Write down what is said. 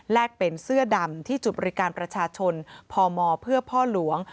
เป็นเสื้อดำที่จุดบริการประชาชนพมเพื่อพ่อหลวง